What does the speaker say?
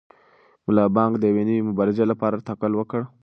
ملا بانګ د یوې نوې مبارزې لپاره تکل وکړ.